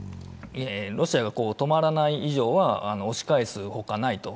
ロシアが止まらない以上は押し返すほかないと。